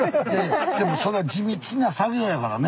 でもそれは地道な作業やからね。